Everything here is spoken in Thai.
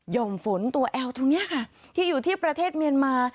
่อมฝนตัวแอลตรงนี้ค่ะที่อยู่ที่ประเทศเมียนมา